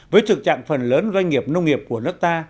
với thực trạng phần lớn doanh nghiệp nông nghiệp của nước ta